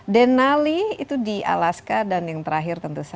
denali itu di alaska dan yang terakhir ya di indonesia